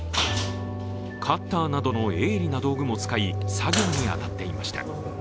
カッターなどの鋭利な道具も使い、作業に当たっていました。